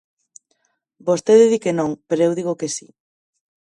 Vostede di que non, pero eu digo que si.